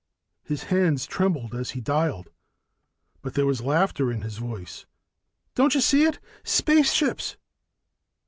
His hands trembled as he dialed, but there was laughter in his voice. "Don't you see it? Spaceships!"